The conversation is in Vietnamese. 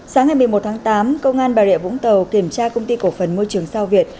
sáng ngày một mươi một tháng tám công an bà rịa vũng tàu kiểm tra công ty cổ phần môi trường sao việt